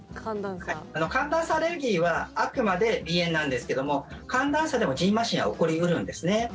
寒暖差アレルギーはあくまで鼻炎なんですけども寒暖差でも、じんましんは起こり得るんですね。